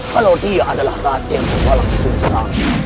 kalau dia adalah radek kebalas besar